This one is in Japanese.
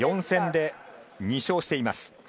４戦で２勝しています。